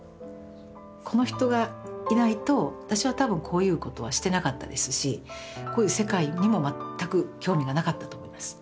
この人がいないと私は多分こういうことはしてなかったですしこういう世界にも全く興味がなかったと思います。